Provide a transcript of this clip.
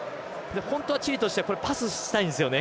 本当はチリとしてパスしたいんですよね